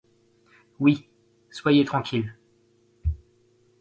Oui, soyez tranquille.